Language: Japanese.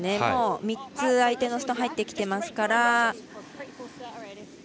もう３つの相手のストーンが入ってきていますから。